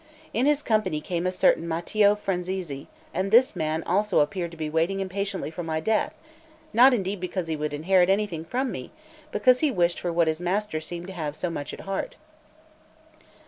In his company came a certain Matio Franzesi and this man also appeared to be waiting impatiently for my death, not indeed because he would inherit anything from me, but because he wished for what his master seemed to have so much at heart.